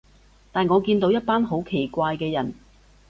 但我見到一班好奇怪嘅人